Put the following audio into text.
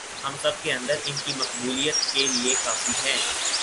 ہم سب کے اندر ان کی مقبولیت کے لئے کافی ہیں